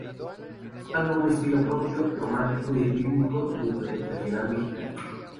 Buscando un estilo propio, romántico y rítmico dentro del Regional Mexicano.